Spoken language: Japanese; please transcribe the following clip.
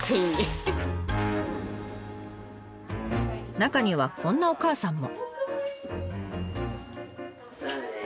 中にはこんなお母さんも。